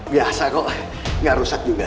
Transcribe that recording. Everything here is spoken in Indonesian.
biasa kok nggak rusak juga